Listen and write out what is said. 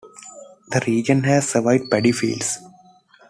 The region had several paddy fields.